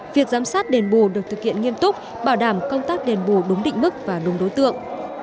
việc giám sát đền bù được thực hiện nghiêm túc bảo đảm công tác đền bù đúng định mức và đúng đối tượng